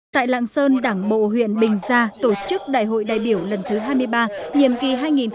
tại lạng sơn đảng bộ huyện bình gia tổ chức đại hội đại biểu lần thứ hai mươi ba nhiệm kỳ hai nghìn hai mươi hai nghìn hai mươi năm